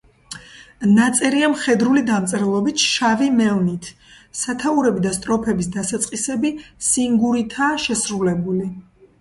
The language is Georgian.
ნაწერია მხედრული დამწერლობით, შავი მელნით; სათაურები და სტროფების დასაწყისები სინგურითაა შესრულებული.